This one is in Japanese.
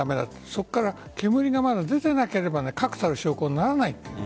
そこから煙がまだ出ていなければ確たる証拠にならないと。